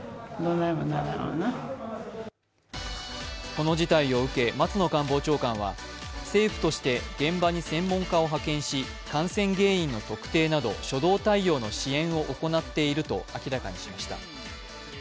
この事態を受け、松野官房長官は政府として現場に専門家を派遣し感染原因の特定など初動対応の支援を行っていると明らかにしました。